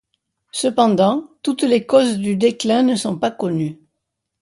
Cependant, toutes les causes du déclin ne sont pas connues.